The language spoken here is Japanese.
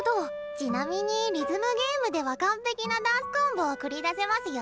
ちなみにリズムゲームでは完璧なダンスコンボを繰り出せマスヨ。